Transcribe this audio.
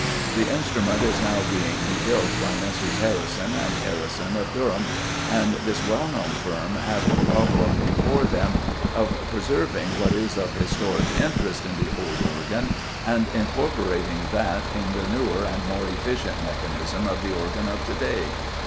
The instrument is now being rebuilt by Messrs. Harrison and Harrison, of Durham, and this well known firm have the problem before them of preserving what is of historic interest in the old organ and incorporating that in the newer and more efficient mechanism of the organs of to day.